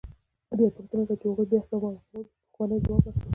بیا یې پوښتنه وکړه خو هغوی بیا همغه پخوانی ځواب ورکړ.